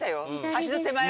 橋の手前を。